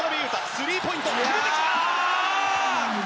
スリーポイント、決めてきた！